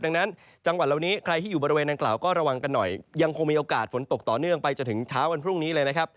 ดังนั้นจังหวัดเหล่านี้ใครที่อยู่บริเวณนางกล่าวก็ระวังกันหน่อยยังคงมีโอกาสฝนตกต่อเนื่องไปจนถึงเช้าวันพรุ่งนี้เลยนะครับ